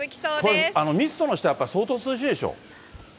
これ、ミストの下、やっぱり相当涼しいでしょう。